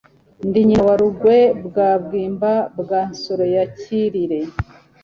Ndi nyina wa Rugwe Rwa Bwimba bwa Nsoro ya Cyirire.